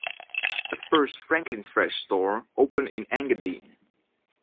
The first Franklins Fresh store opened in Engadine.